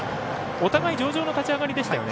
お互い、上々の立ち上がりでしたよね。